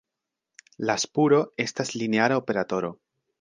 La spuro estas lineara operatoro.